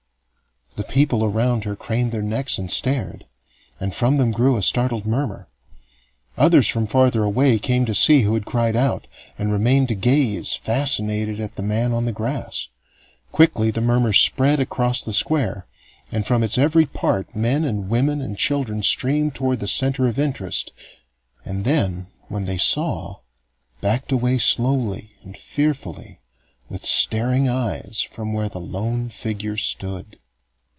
The people around her craned their necks and stared, and from them grew a startled murmur. Others from farther away came to see who had cried out, and remained to gaze fascinated at the man on the grass. Quickly the murmur spread across the Square, and from its every part men and women and children streamed towards the center of interest and then, when they saw, backed away slowly and fearfully, with staring eyes, from where the lone figure stood.